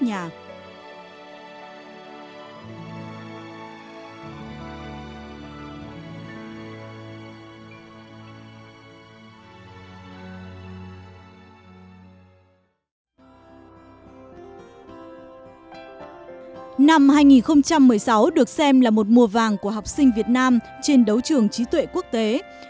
năm hai nghìn một mươi sáu được xem là một mùa vàng của học sinh việt nam trên đấu trường trí tuệ quốc tế